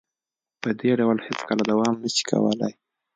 په دې ډول هیڅکله دوام نشي کولې